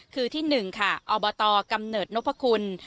คือที่๑ค่ะอบตกำเนิดนพคุณ